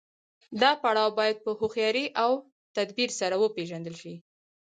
دا پړاو باید په هوښیارۍ او تدبیر سره وپیژندل شي.